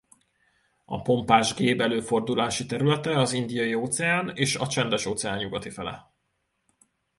A pompás géb előfordulási területe az Indiai-óceán és a Csendes-óceán nyugati fele.